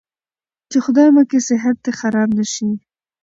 چې خدايه مکې صحت دې خراب نه شي.